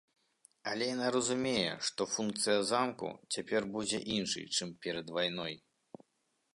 Але яна разумее, што функцыя замку цяпер будзе іншай, чым перад вайной.